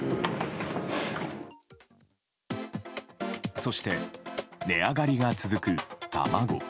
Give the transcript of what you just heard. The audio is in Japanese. そして、値上がりが続く卵。